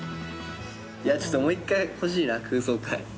ちょっともう一回欲しいな空想回。